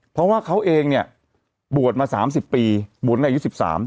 เพราะว่าเขาเองเนี้ยบวชมาสามสิบปีบวชในอายุสิบสาม